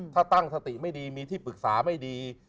ถ้าตั้งสติไม่ดีมีที่ปรึกษาไม่ดี